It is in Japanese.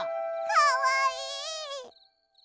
かわいい！